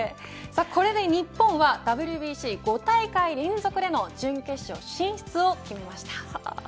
これで日本はＷＢＣ、５大会連続での準決勝進出を決めました。